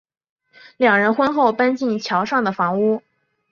两人婚后搬进桥上的房屋。